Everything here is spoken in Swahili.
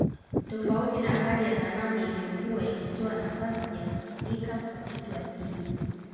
Tofauti na hali ya zamani iliyokuwa ikitoa nafasi ya kutumika kwa vitu asilia